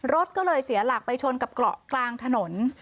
รถก็เลยเสียหลักไปชนกับเกาะกลางถนน